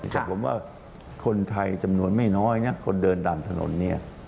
แต่ผมว่าคนไทยจำนวนไม่น้อยนะคนเดินตามถนนเนี่ย